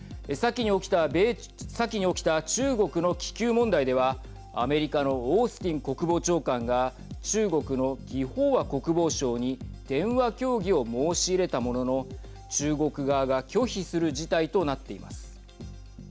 先に起きた中国の気球問題ではアメリカのオースティン国防長官が中国の魏鳳和国防相に電話協議を申し入れたものの中国側が拒否する事態となっています。